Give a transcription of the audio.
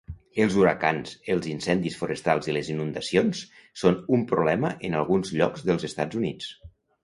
Els huracans, els incendis forestals i les inundacions són un problema en alguns llocs dels Estats Units.